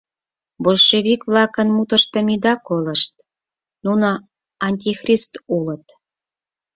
Большевик-влакын мутыштым ида колышт, нуно антихрист улыт.